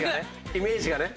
イメージがね。